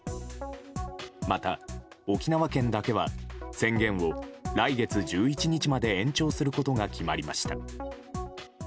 また、沖縄県だけは宣言を来月１１日まで延長することが決まりました。